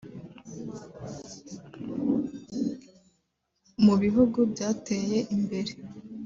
Mu bihugu byateye imbere